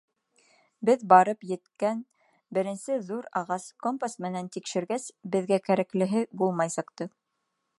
Беҙ барып еткән беренсе ҙур ағас, компас менән тикшергәс, беҙгә кәрәклеһе булмай сыҡты.